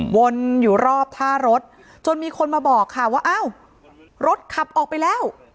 วนอยู่รอบท่ารถจนมีคนมาบอกค่ะว่าอ้าวรถขับออกไปแล้ว